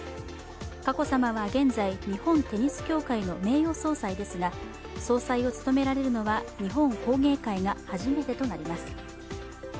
佳子さまは現在、日本テニス協会の名誉総裁ですが総裁を務められるのは日本工芸会が初となります。